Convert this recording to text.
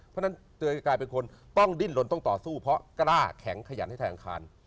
เพราะฉะนั้นตัวเองจะกลายเป็นคนต้องดิ้นลนต้องต่อสู้เพราะกล้าแข็งขยันให้ทางอังคาร